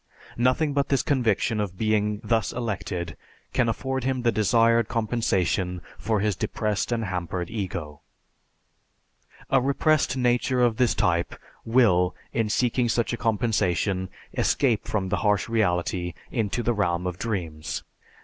Nothing but this conviction of being thus elected can afford him the desired compensation for his depressed and hampered ego. A repressed nature of this type will, in seeking such a compensation, escape from the harsh reality into the realm of dreams.